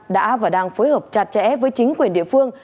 đã và đang phối hợp chặt chẽ với chính quyền địa phương